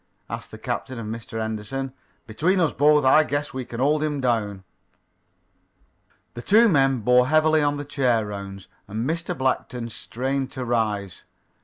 asked the captain of Mr. Henderson. "Between us both I guess we can hold him down." The two men bore heavily on the chair rounds, and Mr. Blackton strained to rise.